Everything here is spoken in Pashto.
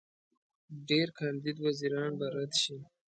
ډېر کاندید وزیران به رد شي.